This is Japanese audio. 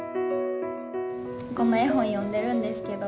この絵本読んでるんですけど。